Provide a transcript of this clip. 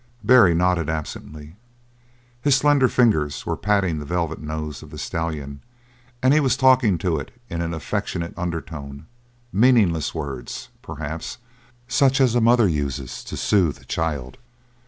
Barry nodded absently. His slender fingers were patting the velvet nose of the stallion and he was talking to it in an affectionate undertone meaningless words, perhaps, such as a mother uses to soothe a child.